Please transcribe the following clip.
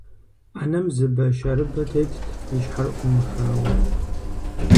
Ӏэнэм зы бащырыбэ тетт, и щхьэр Ӏумыхауэ.